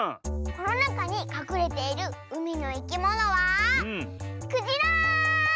このなかにかくれているうみのいきものはクジラ！